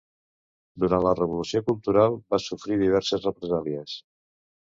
Durant la Revolució Cultural va sofrir diverses represàlies.